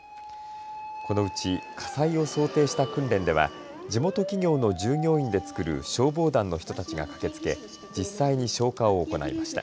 このうち火災を想定した訓練では地元企業の従業員で作る消防団の人たちが駆けつけ実際に消火を行いました。